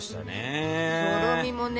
とろみもね。